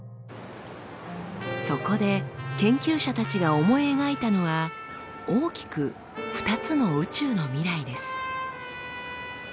そこで研究者たちが思い描いたのは大きく２つの宇宙の未来です。